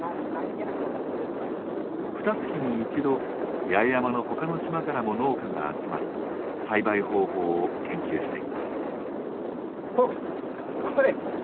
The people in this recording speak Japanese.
ふた月に一度八重山の他の島からも農家が集まり栽培方法を研究しています。